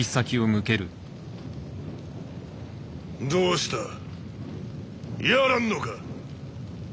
どうした？やらんのか？